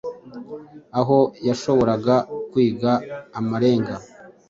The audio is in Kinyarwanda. aho yashoboraga kwiga amarenga